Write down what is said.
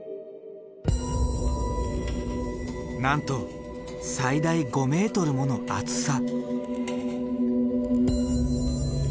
なんと最大５ｍもの厚さ。